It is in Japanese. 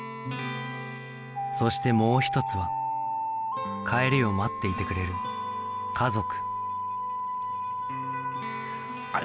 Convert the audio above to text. そしてもう一つは帰りを待っていてくれる家族